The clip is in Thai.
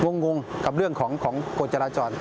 งงกับเรื่องของกฎจราจร